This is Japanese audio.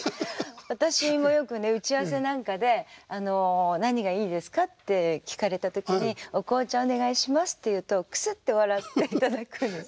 私もよくね打ち合わせなんかで「何がいいですか？」って聞かれた時に「お紅茶をお願いします」って言うとクスッて笑っていただくんですね。